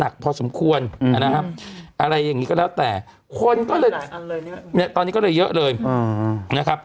คนก็เลยตอนนี้ก็เลยเยอะเลยนะครับ